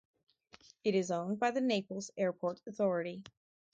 It is owned by the Naples Airport Authority.